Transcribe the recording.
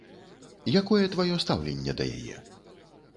Якое тваё стаўленне да яе?